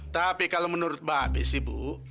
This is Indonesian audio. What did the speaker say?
tapi kalau menurut bapes sih bu